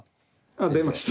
あ出ました。